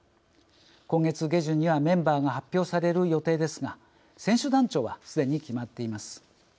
今月下旬にはメンバーが発表される予定ですが選手団長はすでに決まっています。